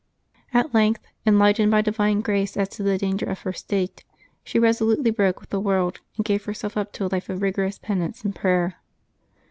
At length, enlightened by divine grace as to the danger of her state, she resolutely broke w4th the world and gave herself up to a life of rigorous penance and prayer.